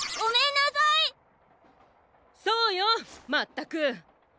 そうよまったく。